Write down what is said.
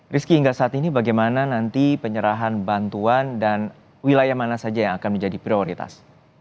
rizky hingga saat ini bagaimana nanti penyerahan bantuan dan wilayah mana saja yang akan menjadi prioritas